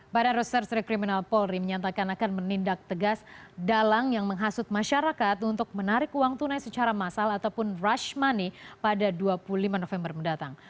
badan reserse kriminal polri menyatakan akan menindak tegas dalang yang menghasut masyarakat untuk menarik uang tunai secara massal ataupun rush money pada dua puluh lima november mendatang